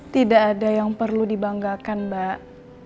tidak ada yang perlu dibanggakan mbak